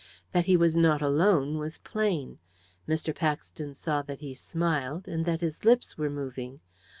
That he was not alone was plain. Mr. Paxton saw that he smiled, and that his lips were moving.